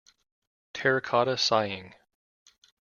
Terracotta Sighing.